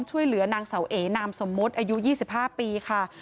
ช่วยเหลือนางเสาเอนามสมมุติอายุ๒๕ปีค่ะ